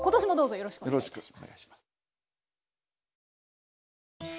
よろしくお願いします。